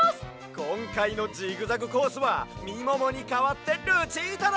こんかいのジグザグコースはみももにかわってルチータだ！